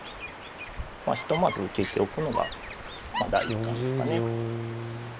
ひとまず受けておくのが第一感ですかね。